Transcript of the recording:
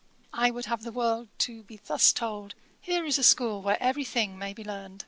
I would have the world to be thus told, "Here is a school where every thing may be learnt."'